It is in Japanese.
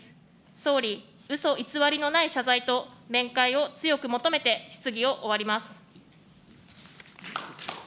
総理、うそ偽りのない謝罪と、面会を強く求めて、質疑を終わります。